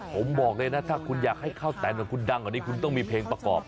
ผมบอกเลยนะกันหากอยากให้ข้าวแต่นดังอาณคุณต้องมีเพลงประกอบ